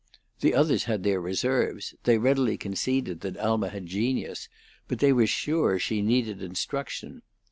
The others had their reserves; they readily conceded that Alma had genius, but they were sure she needed instruction.